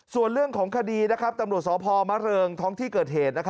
ส่วนเรื่องของคดีตำรวจสพมะเริงท้องที่เกิดเหตุ